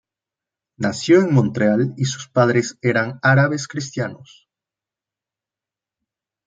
Nació en Montreal y sus padres eran árabes cristianos.